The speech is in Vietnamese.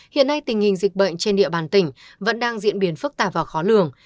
hiện nay tình hình dịch bệnh trên địa bàn tỉnh vẫn đang diễn biến phức tạp và khó lường